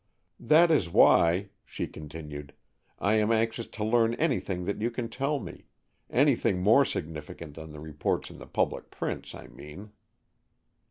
"That is why," she continued, "I am anxious to learn anything that you can tell me, anything more significant than the reports in the public prints, I mean."